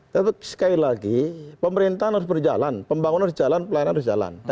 tetap sekali lagi pemerintahan harus berjalan pembangunan harus jalan pelayanan harus jalan